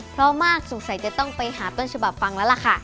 เพราะมากสงสัยจะต้องไปหาต้นฉบับฟังแล้วล่ะค่ะ